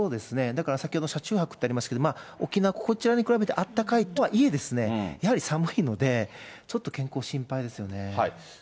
だから先ほど車中泊ってありますけど、沖縄、こちらに比べてあったかいとはいえですね、やはり寒いので、ちょっと健康心配ですよ